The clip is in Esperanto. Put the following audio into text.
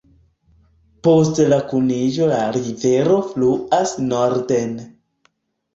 Post la kuniĝo la rivero fluas norden.